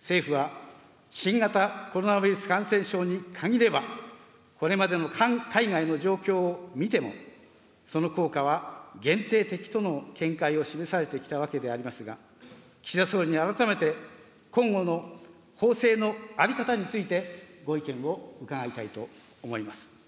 政府は新型コロナウイルス感染症に限れば、これまでの海外の状況を見ても、その効果は限定的との見解を示されてきたわけでありますが、岸田総理に改めて今後の法制の在り方について、ご意見を伺いたいと思います。